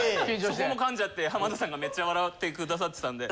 そこも噛んじゃって浜田さんがめっちゃ笑ってくださってたんで。